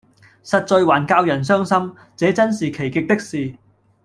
實在還教人傷心，這眞是奇極的事！